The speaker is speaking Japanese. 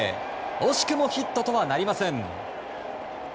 惜しくもヒットとはなりません。